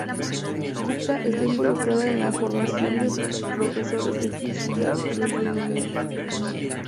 Gupta está involucrada en la formación de profesores de física del Reino Unido.